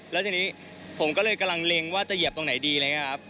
แล้วทีนี้ผมก็เลยกำลังเล็งว่าจะเหยียบตรงไหนดีนะครับ